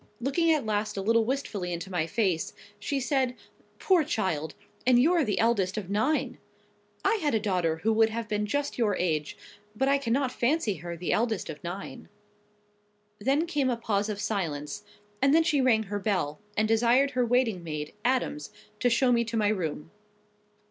Looking at last a little wistfully into my face, she said—"Poor child! And you're the eldest of nine! I had a daughter who would have been just your age; but I cannot fancy her the eldest of nine." Then came a pause of silence; and then she rang her bell, and desired her waiting maid, Adams, to show me to my room.